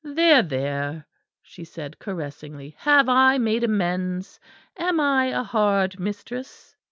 "There, there," she said caressingly, "have I made amends? Am I a hard mistress?"